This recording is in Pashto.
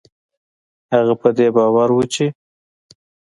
هغه په دې باور و چې